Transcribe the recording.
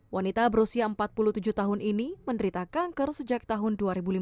wanita berusia empat puluh tujuh tahun ini menderita kanker sejak tahun dua ribu lima belas